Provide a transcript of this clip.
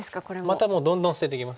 またもうどんどん捨てていきます。